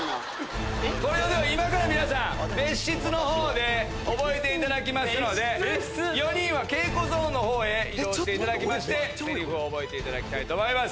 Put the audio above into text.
今から皆さん別室の方で覚えていただきますので４人は稽古ゾーンの方へ移動していただきましてセリフを覚えていただきたいと思います。